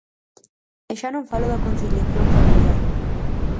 E xa non falo da conciliación familiar.